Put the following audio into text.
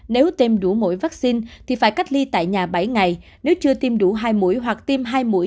nếu tiêm đủ mỗi vaccine thì phải cách ly tại nhà bảy ngày nếu chưa tiêm đủ hai mũi hoặc tiêm hai mũi